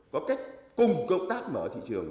có cách cùng công tác mở thị trường